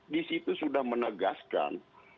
di situ sudah menegaskan